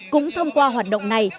cũng thông qua hoạt động này